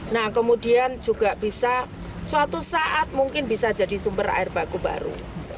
nah kemudian juga bisa suatu saat mungkin bisa jadi sumber air baku baru